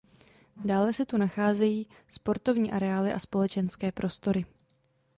Dále se tu nacházejí sportovní areály a společenské prostory.